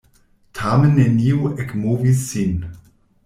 Tamen neniu ekmovis sin!